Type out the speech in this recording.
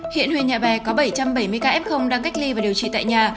hiện huyện nhà bè có bảy trăm bảy mươi ca f đang cách ly và điều trị tại nhà